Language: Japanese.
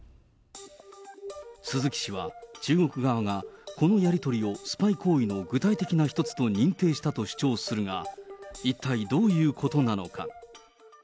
鈴木氏は中国側がこのやり取りをスパイ行為の具体的な一つと認定したと主張するが、一体、どういうことなのか。